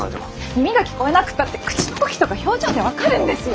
耳が聞こえなくったって口の動きとか表情で分かるんですよ！